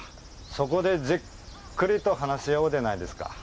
そこでじっくりと話し合おうではないですか。